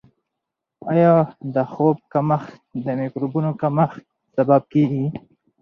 آیا د خوب کمښت د مایکروبونو کمښت سبب کیږي؟